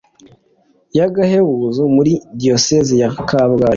y’agahebuzo muri diyosezi ya kabgayi